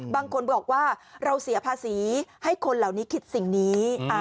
บางคนบอกว่าเราเสียภาษีให้คนเหล่านี้คิดสิ่งนี้